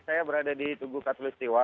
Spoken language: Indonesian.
saat ini saya berada di tugu katolik setiwa